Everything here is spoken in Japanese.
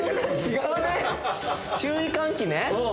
注意喚起ね。